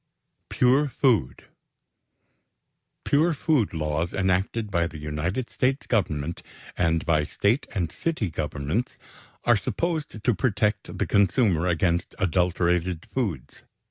=Pure Food.= Pure food laws enacted by the United States Government, and by State and City Governments, are supposed to protect the consumer against adulterated foods.